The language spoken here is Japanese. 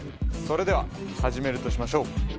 それでは始めるとしましょう。